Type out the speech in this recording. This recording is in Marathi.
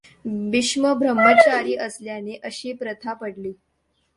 भीष्म ब्रह्मचारी असल्याने अशी प्रथा पडली.